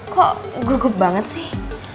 kok gugup banget sih